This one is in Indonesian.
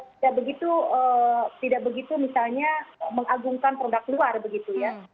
tidak begitu tidak begitu misalnya mengagungkan produk luar begitu ya